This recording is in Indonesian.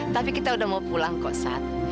tapi kita udah mau pulang kok sat